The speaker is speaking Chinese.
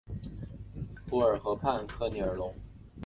卢尔河畔科尔尼隆。